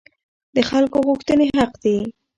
د خلکو غوښتنې حق دي